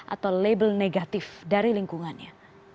atau label negatif dari lingkungannya